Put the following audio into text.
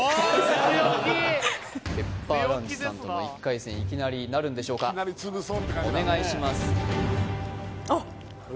ペッパーランチさんとの１回戦いきなりなるんでしょうかお願いしますあっ！